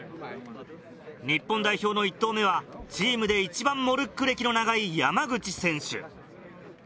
日本代表の１投目はチームで一番モルック歴の長い。